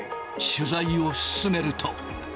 取材を進めると。